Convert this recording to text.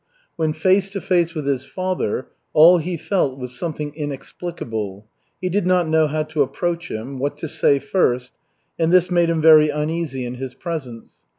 When face to face with his father, all he felt was something inexplicable. He did not know how to approach him, what to say first, and this made him very uneasy in his presence.